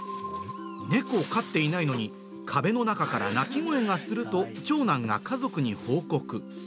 猫を飼っていないのに、壁の中から鳴き声がすると、長男が家族に報告。